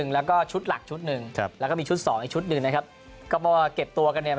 แล้วก็ชุดหลัก๑แล้วก็มีชุด๒ชุด๑นะครับก็เก็บตัวกันเนี่ย